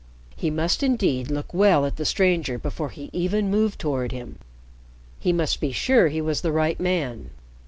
He must indeed look well at the stranger before he even moved toward him. He must be sure he was the right man.